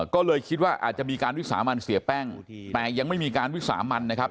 ก็เลยคิดว่าอาจจะมีการวิสามันเสียแป้งแต่ยังไม่มีการวิสามันนะครับ